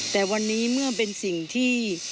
แต่วันนี้เมื่อเป็นสิ่งที่